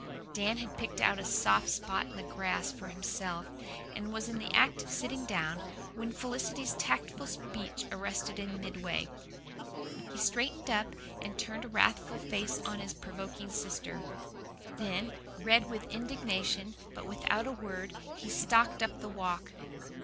Dan had picked out a soft spot in the grass for himself, and was in the act of sitting down, when Felicity's tactful speech arrested him midway. He straightened up and turned a wrathful face on his provoking sister. Then, red with indignation, but without a word, he stalked up the walk.